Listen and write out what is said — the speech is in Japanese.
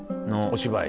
お芝居？